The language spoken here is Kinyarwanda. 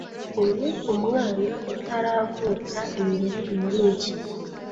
uri umwana utaravuka imbere muri njye